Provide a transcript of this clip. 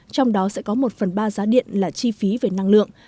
trong đó sẽ có một phần ba giá điện là chi phí về năng lượng